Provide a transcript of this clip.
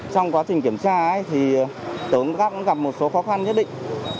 trong quá trình kiểm tra ấy thì tổ công tác cũng gặp một số khó khăn nhất định